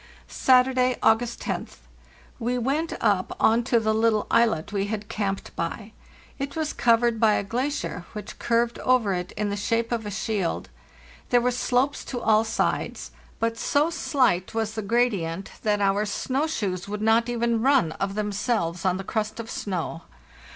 "Saturday, August roth. We went up on to the little islet we had camped by. It was covered by a glacier, which curved over it in the shape of a shield; there were slopes to all sides; but so slight was the gradient that our snow shoes would not even run of them selves on the crust of snow.